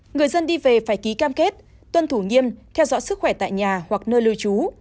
người dân đi về phải ký cam kết tuân thủ nghiêm theo dõi sức khỏe tại nhà hoặc nơi lưu trú